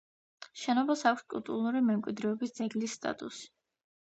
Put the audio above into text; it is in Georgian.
შენობას აქვს კულტურული მემკვიდრეობის ძეგლის სტატუსი.